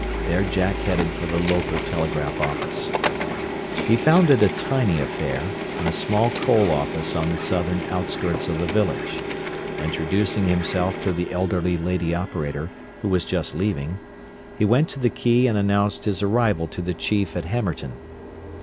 There Jack headed for the local telegraph office. He found it a tiny affair, in a small coal office on the southern outskirts of the village. Introducing himself to the elderly lady operator, who was just leaving, he went to the key and announced his arrival to the chief at Hammerton.